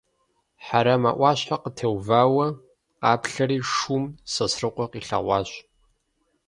Хьэрэмэ ӏуащхьэ къытеувауэ къаплъэри, шум Сосрыкъуэ къилъэгъуащ.